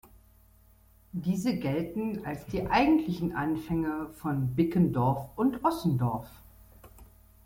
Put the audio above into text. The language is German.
Diese gelten als die eigentlichen Anfänge von Bickendorf und Ossendorf.